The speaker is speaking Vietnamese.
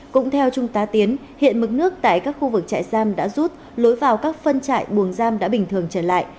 cũng theo trung tá tiến hiện mức nước tại các khu vực trại giam đã rút lối vào các phân trại buồng giam đã bình thường trở lại